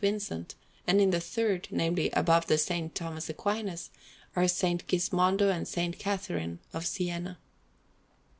Vincent; and in the third namely, above the S. Thomas Aquinas are S. Gismondo and S. Catharine of Siena.